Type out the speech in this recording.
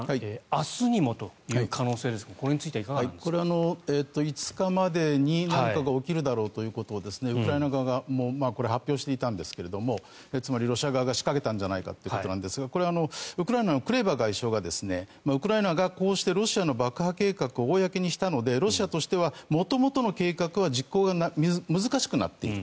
明日にもという可能性ですがこれは５日までに何かが起きるだろうということをウクライナ側が発表していたんですがつまり、ロシア側が仕掛けたんじゃないかということですがこれはウクライナのクレバ外相がウクライナがこうしてロシアの爆破計画を公にしたのでロシアとしては元々の計画が実行が難しくなっている。